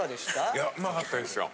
いやうまかったですよ。